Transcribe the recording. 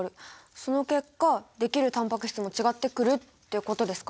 その結果できるタンパク質も違ってくるっていうことですか？